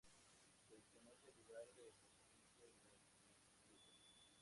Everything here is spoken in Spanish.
Se desconoce el lugar de procedencia del manuscrito.